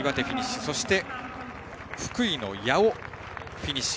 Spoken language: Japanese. そして福井の矢尾フィニッシュ。